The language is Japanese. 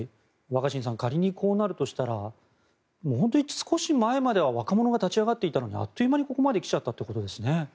若新さん仮にこうなるとしたら本当に少し前までは若者が立ち上がっていたのにあっという間にここまで来ちゃったということですよね。